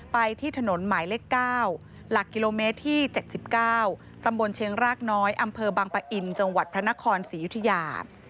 ไปที่ถนนหมายเลข๙หลักกิโลเมตรที่๗๙ตำบลเชียงรากน้อยอำเภอบังปะอินจังหวัดพระนครศรียุธยา